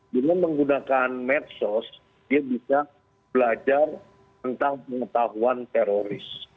dengan menggunakan medsos dia bisa belajar tentang pengetahuan teroris